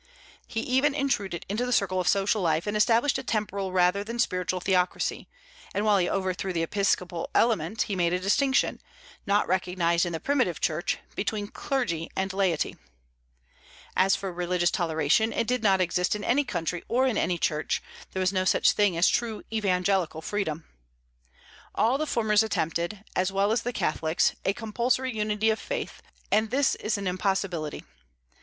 He even intruded into the circle of social life, and established a temporal rather than a spiritual theocracy; and while he overthrew the episcopal element, he made a distinction, not recognized in the primitive church, between clergy and laity. As for religious toleration, it did not exist in any country or in any church; there was no such thing as true evangelical freedom. All the Reformers attempted, as well as the Catholics, a compulsory unity of faith; and this is an impossibility.